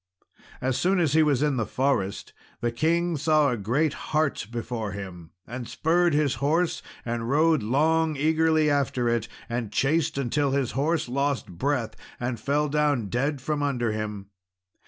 As soon as he was in the forest, the king saw a great hart before him, and spurred his horse, and rode long eagerly after it, and chased until his horse lost breath and fell down dead from under him.